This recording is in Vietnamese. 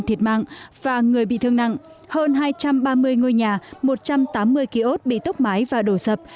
thiệt mạng và người bị thương nặng hơn hai trăm ba mươi ngôi nhà một trăm tám mươi ký ốt bị tốc máy và đổ sập